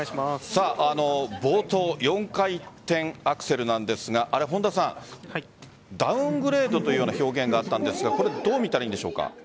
冒頭４回転アクセルなんですがダウングレードという表現がありましたがこれどう見たらいいんでしょうか。